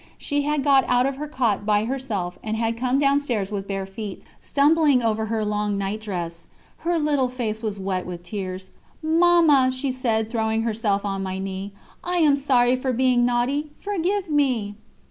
She had got out of her cot by herself, and had come downstairs with bare feet, stumbling over her long nightdress. Her little face was wet with tears: 'Mamma,' she said, throwing herself on my knee, 'I am sorry for being naughty forgive me!'